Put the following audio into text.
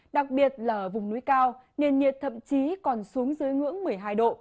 đặc biệt là ở vùng núi cao nền nhiệt thậm chí còn xuống dưới ngưỡng một mươi hai độ